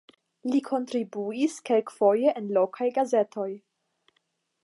Li kontribuis kelkfoje en lokaj gazetoj.